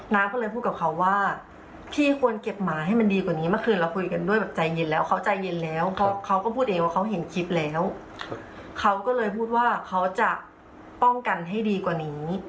ก็เลยพูดกับเขาว่าพี่ควรเก็บหมาให้มันดีกว่านี้เมื่อคืนเราคุยกันด้วยแบบใจเย็นแล้วเขาใจเย็นแล้วเขาก็พูดเองว่าเขาเห็นคลิปแล้วเขาก็เลยพูดว่าเขาจะป้องกันให้ดีกว่านี้